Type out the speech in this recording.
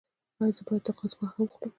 ایا زه باید د قاز غوښه وخورم؟